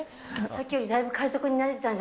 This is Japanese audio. さっきよりだいぶ海賊になれ